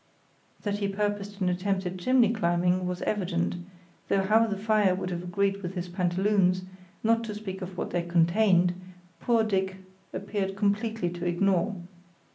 That he purposed an attempt at chimney climbing was evident, though how the fire would have agreed with his pantaloons, not to speak of what they contained, poor Dick appeared completely to ignore.